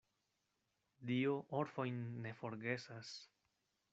Dio orfojn ne forgesas.